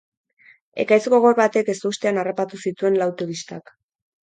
Ekaitz gogor batek ezustean harrapatu zituen lau turistak.